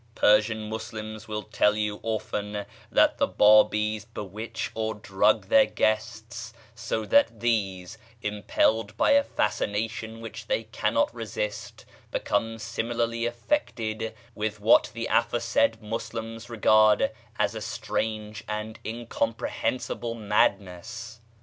Persian Muslims will tell you often that the Bábís bewitch or drug their guests so that these, impelled by a fascination which they cannot resist, become similarly affected with what the aforesaid Muslims regard as a strange and incomprehensible madness.